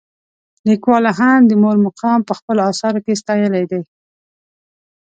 لیکوالو هم د مور مقام په خپلو اثارو کې ستایلی دی.